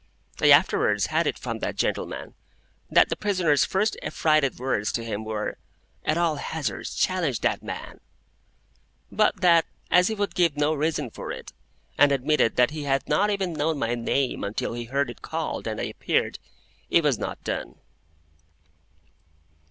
I afterwards had it from that gentleman, that the prisoner's first affrighted words to him were, "At all hazards, challenge that man!" But that, as he would give no reason for it, and admitted that he had not even known my name until he heard it called and I appeared, it was not done.